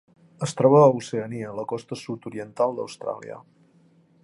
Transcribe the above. Es troba a Oceania: la costa sud-oriental d'Austràlia.